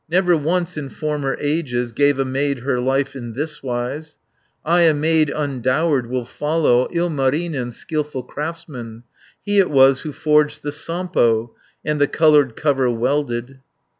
Never once in former ages, Gave a maid her life in thiswise. I, a maid undowered, will follow Ilmarinen, skilful craftsman, He it was who forged the Sampo, And the coloured cover welded."